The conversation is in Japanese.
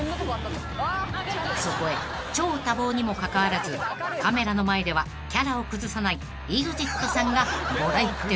［そこへ超多忙にもかかわらずカメラの前ではキャラを崩さないＥＸＩＴさんがご来店］